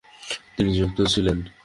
তিনি যুক্ত ছিলেন।